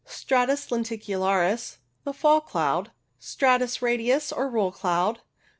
Stratus lenticularis, the Fall cloud. Stratus radius, or Roll cloud.